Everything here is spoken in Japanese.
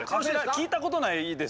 聞いたことないです